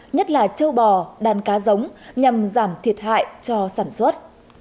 nhất là châu bò đàn cá giống nhằm giảm thiệt hại cho sản xuất